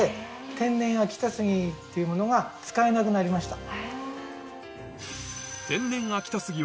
天然秋田杉っていうものが使えなくなりました。